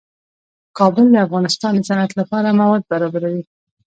کابل د افغانستان د صنعت لپاره مواد برابروي.